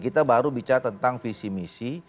kita baru bicara tentang visi misi